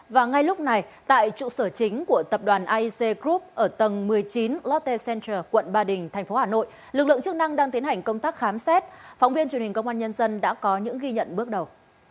và ngay lúc này tại trụ sở chính của tập đoàn aec group ở tầng một mươi chín lotte central quận ba đình tp hà nội lực lượng chức năng đang tiến hành công tác khám xét phóng viên truyền hình công an nhân dân đã có những ghi nhận bước đầu